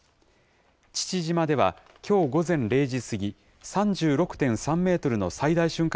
父島ではきょう午前０時過ぎ、３６．３メートルの最大瞬間